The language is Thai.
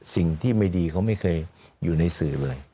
สิ่งที่ไม่ดีเขาไม่เคยอยู่ในสื่อเลย